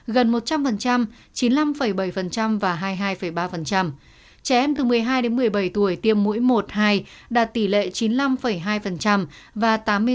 gần một trăm linh chín mươi năm bảy và hai mươi hai ba trẻ em từ một mươi hai đến một mươi bảy tuổi tiêm mũi một hai đạt tỷ lệ chín mươi năm hai và tám mươi chín